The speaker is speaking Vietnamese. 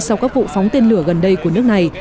sau các vụ phóng tên lửa gần đây của nước này